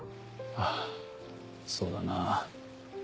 あぁそうだな。